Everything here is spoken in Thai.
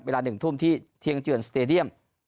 เวลา๑ทุ่มที่เทียงเจือนสเตดียม